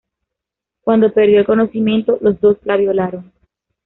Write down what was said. Cuando perdió el conocimiento, los dos la violaron.